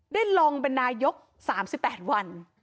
ได้ลองเป็นนายก๓๘วัน